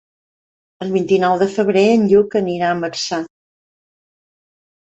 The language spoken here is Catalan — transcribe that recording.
El vint-i-nou de febrer en Lluc anirà a Marçà.